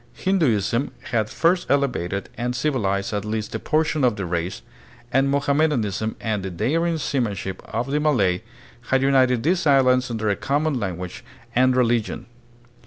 Hinduism had first elevated and civilized at least a portion of the race, and Mohamme danism and the daring seamanship of the Malay had united these islands under a common language and reli gion.